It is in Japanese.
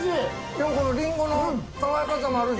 でもこのリンゴの爽やかさもあるし。